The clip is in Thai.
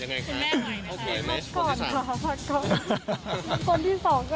คนที่สองก็ยังไม่ได้ตั้งตัวเลยครับ